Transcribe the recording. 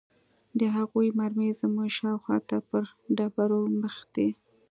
د هغوى مرمۍ زموږ شاوخوا ته پر ډبرو مښتې.